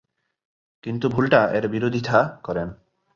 কিন্তু ভোল্টা এর বিরোধিতা করেন।